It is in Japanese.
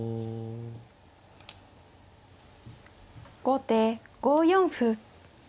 後手５四歩。